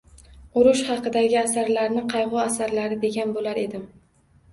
Urush haqidagi asarlarni qayg`u asarlari, degan bo`lar edim